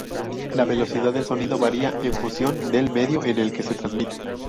La velocidad del sonido varía en función del medio en el que se transmite.